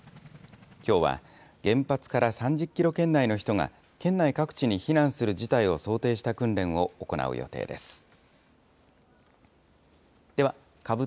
きょうは原発から３０キロ圏内の人が、県内各地に避難する事態を想定した訓練を行う予定です。